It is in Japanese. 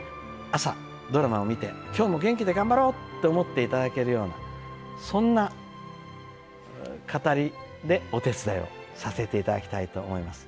朝、ドラマを見て、きょうも元気で頑張ろうと思っていただけるような、そんな語りで、お手伝いをさせていただきたいと思います。